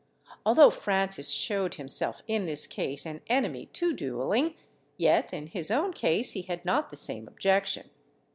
Although Francis shewed himself in this case an enemy to duelling, yet in his own case he had not the same objection.